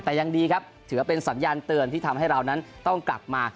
แต่ยังดีครับถือว่าเป็นสัญญาณเตือนที่ทำให้เรานั้นต้องกลับมา